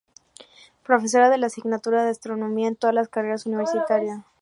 Profesora de la asignatura de astronomía en todas las carreras universitarias.